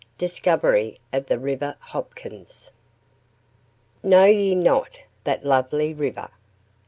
DISCOVERY OF THE RIVER HOPKINS. "Know ye not that lovely river?